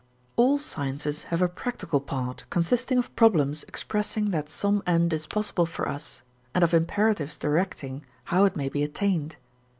All sciences have a practical part, consisting of problems expressing that some end is possible for us and of imperatives directing how it may be attained.